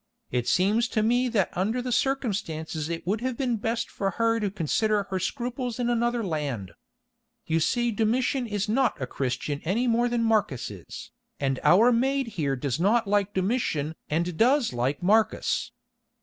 It seems to me that under the circumstances it would have been best for her to consider her scruples in another land. You see Domitian is not a Christian any more than Marcus is, and our maid here does not like Domitian and does like Marcus.